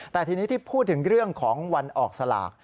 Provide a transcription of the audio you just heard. แต่ทีนี้ที่พูดถึงเรื่องของวันออกสลาก